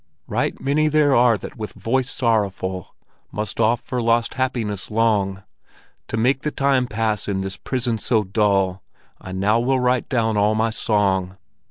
Right many there are that with voice sorrowful Must oft for lost happiness long. To make the time pass in this prison so dull, I now will write down all my song.